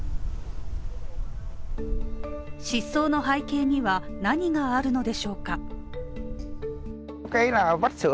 失踪の背景には何があるのでしょうか。